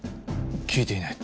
聞いていない。